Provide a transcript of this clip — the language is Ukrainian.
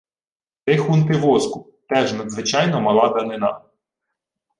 "Три хунти воску" — теж надзвичайно мала данина.